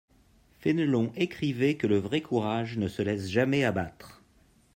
Fénelon écrivait que le vrai courage ne se laisse jamais abattre.